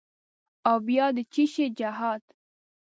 او بیا د چیشي جهاد؟